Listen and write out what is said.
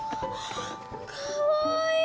かわいい！